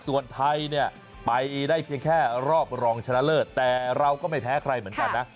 ส่วนไทยเนี่ยไปได้เพียงแค่รอบรองชนะเลิศแต่เราก็ไม่แพ้ใครเหมือนกันนะ